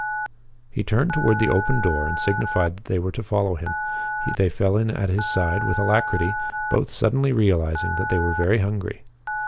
He turned toward the open door and signified that they were to follow him. They fell in at his side with alacrity, both suddenly realizing that they were very hungry.